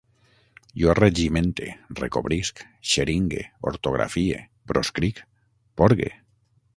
Jo regimente, recobrisc, xeringue, ortografie, proscric, porgue